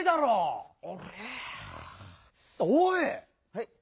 はい？